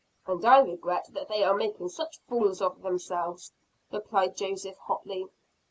"And I regret that they are making such fools of themselves," replied Joseph hotly.